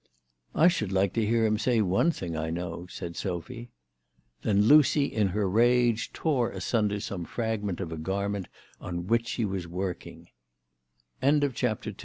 " I should like to hear him say one thing I know," said Sophy. Then Lucy in her rage tore asunder some fragment of a garment on which she